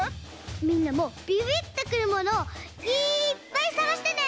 みんなもビビビッとくるものをいっぱいさがしてね！